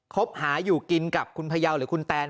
คบหาอยู่กินกับคุณพยาวหรือคุณแตน